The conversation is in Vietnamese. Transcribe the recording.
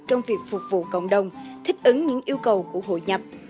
trong việc phục vụ cộng đồng thích ứng những yêu cầu của hội nhập